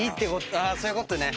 あそういうことね。